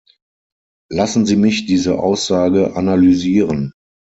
Lassen Sie mich diese Aussage analysieren.